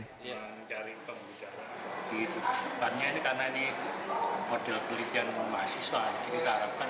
kedepannya alat ini bisa digunakan di klini klini dan rumah sakit di pedalaman